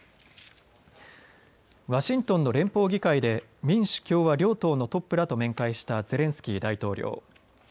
ワシントンの連邦議会で民主・共和両党のトップらと面会したゼレンスキー大統領。